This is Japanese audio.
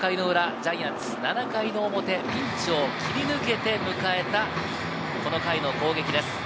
ジャイアンツ、７回の表ピンチを切り抜けて迎えたこの回の攻撃です。